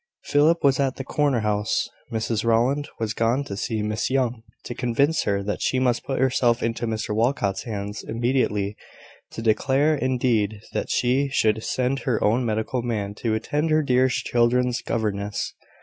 Philip was at the corner house. Mrs Rowland was gone to see Miss Young, to convince her that she must put herself into Mr Walcot's hands immediately to declare, indeed, that she should send her own medical man to attend her dear children's governess.